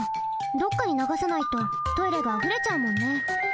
どっかにながさないとトイレがあふれちゃうもんね。